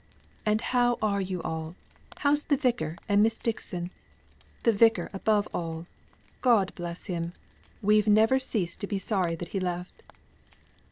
"And how are you all? How's the Vicar and Miss Dixon? The Vicar above all! God bless him! We've never ceased to be sorry that he left."